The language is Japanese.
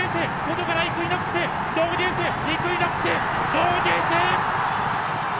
ドウデュース！